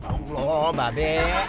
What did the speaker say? ouh loh babeh